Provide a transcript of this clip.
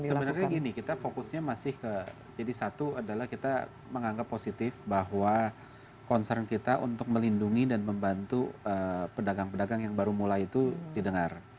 sebenarnya gini kita fokusnya masih ke jadi satu adalah kita menganggap positif bahwa concern kita untuk melindungi dan membantu pedagang pedagang yang baru mulai itu didengar